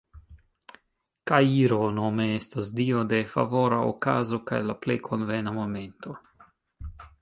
Kairo nome estas dio de "favora okazo kaj la plej konvena momento".